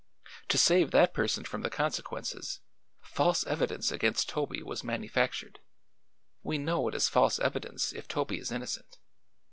To save that person from the consequences, false evidence against Toby was manufactured. We know it is false evidence if Toby is innocent.